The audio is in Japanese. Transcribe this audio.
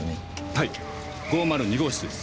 はい５０２号室です。